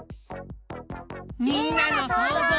みんなのそうぞう。